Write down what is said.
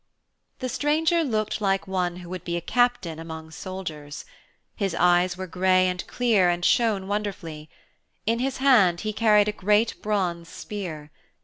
The stranger looked like one who would be a captain amongst soldiers. His eyes were grey and clear and shone wonderfully. In his hand he carried a great bronze spear.